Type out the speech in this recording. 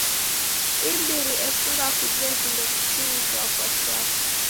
Imbiri efunga kuje vindo vitini shwa kwa shwa.